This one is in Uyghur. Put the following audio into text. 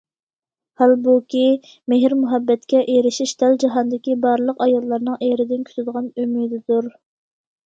ھالبۇكى، مېھىر- مۇھەببەتكە ئېرىشىش دەل جاھاندىكى بارلىق ئاياللارنىڭ ئېرىدىن كۈتىدىغان ئۈمىدىدۇر.